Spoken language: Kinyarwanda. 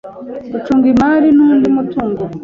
Gucunga imari n undi mutungo